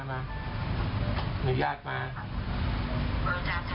มันยากมา